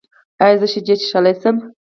ایا زه شیدې څښلی شم؟